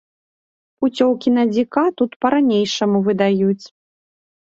Пуцёўкі на дзіка тут па ранейшаму выдаюць.